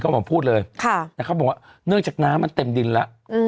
ก็บอกพูดเลยแต่เขาบอกว่าเนื่องจากน้ำมันเต็มดินละ